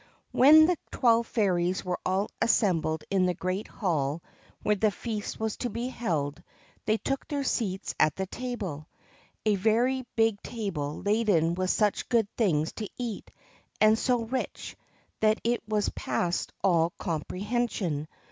When the twelve fairies were all assembled in the great hall where the feast was to be held, they took their seats at the table a very big table laden with such good things to eat, and so rich, that it was past all comprehension.